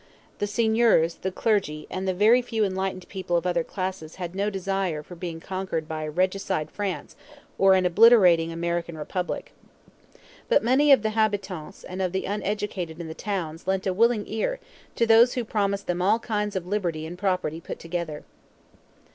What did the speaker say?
The seigneurs, the clergy, and the very few enlightened people of other classes had no desire for being conquered by a regicide France or an obliterating American Republic. But many of the habitants and of the uneducated in the towns lent a willing ear to those who promised them all kinds of liberty and property put together.